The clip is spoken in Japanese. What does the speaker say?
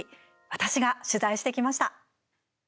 私が取材してきました。